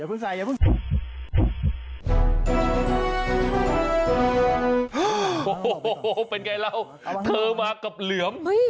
โอ้โหเป็นไงเราเธอมากับเหลือม